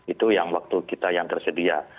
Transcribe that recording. itu yang waktu kita yang tersedia